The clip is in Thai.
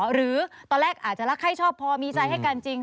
หรือตอนแรกอาจจะรักใครชอบพอมีใจให้กันจริง